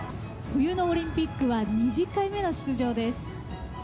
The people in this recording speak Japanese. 冬のオリンピックは２０回目の出場です。